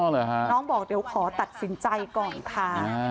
น้องบอกเดี๋ยวขอตัดสินใจก่อนค่ะ